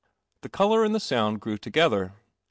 The colour and the sound grew together.